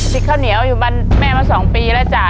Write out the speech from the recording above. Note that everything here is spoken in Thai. ข้าวเหนียวอยู่บ้านแม่มา๒ปีแล้วจ้ะ